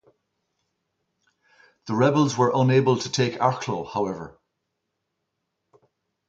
The rebels were unable to take Arklow however.